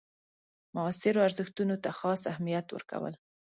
معاصرو ارزښتونو ته خاص اهمیت ورکول.